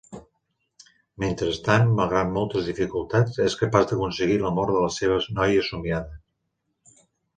Mentrestant, malgrat moltes dificultats, és capaç d'aconseguir l'amor de la seva noia somiada.